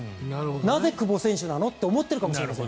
なぜ久保選手なの？って思っているかもしれません。